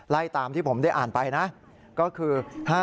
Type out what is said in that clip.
ไล่ตามที่ผมได้อ่านไปนะก็คือ